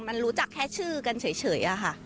มันรู้จักแค่ชื่อกันเฉยอะค่ะ